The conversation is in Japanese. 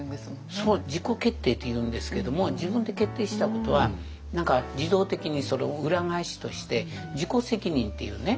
そう自己決定というんですけども自分で決定したことは自動的にそれを裏返しとして自己責任っていうね